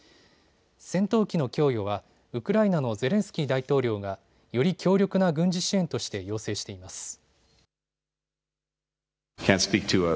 戦闘機の供与はウクライナのゼレンスキー大統領がより強力な軍事支援として要請しています。